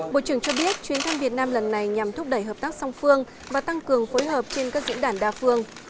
bộ trưởng cho biết chuyến thăm việt nam lần này nhằm thúc đẩy hợp tác song phương và tăng cường phối hợp trên các diễn đàn đa phương